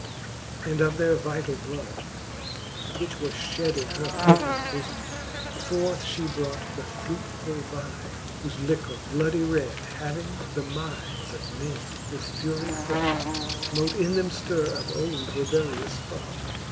XI. And of their vitall bloud, the which was fhed Into her pregnant bofome, forth fl:ie brought The fruitfull vine, whofe liquor bloudy red Having the mindes of men with fury fraught. Mote in them ftirre up old rebellious thought.